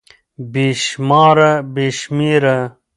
بې شماره √ بې شمېره